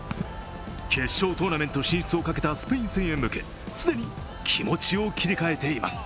決勝トーナメント進出をかけたスペイン戦に向け既に気持ちを切り替えています。